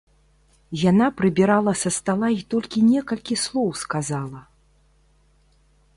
Яна прыбірала са стала і толькі некалькі слоў сказала.